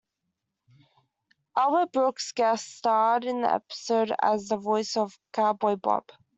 Albert Brooks guest starred in the episode as the voice of Cowboy Bob.